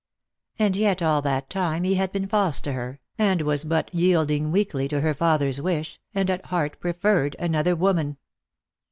And yet all that time he had been false to her, and was but yielding weakly to her father's wish, and at heart preferred another woman.